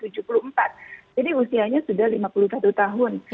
jadi usianya sudah lima puluh satu tahun